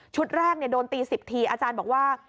ชุดแรกเนี่ยโดนตี๑๐ทีอาจารย์บอกว่า